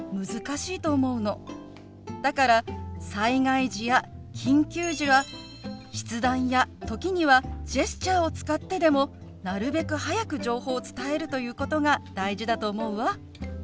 だから災害時や緊急時は筆談や時にはジェスチャーを使ってでもなるべく早く情報を伝えるということが大事だと思うわ。